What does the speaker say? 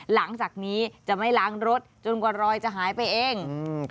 หลังจากนี้จะไม่ล้างรถจนกว่ารอยจะหายไปเองอืม